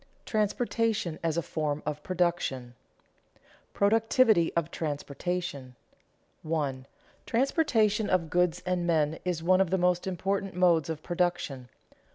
TRANSPORTATION AS A FORM OF PRODUCTION [Sidenote: Productivity of transportation] 1. _Transportation of goods and men is one of the most important modes of production.